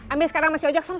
ambil sekarang mas yogyakson